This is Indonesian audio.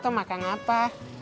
kenapa ga n kurt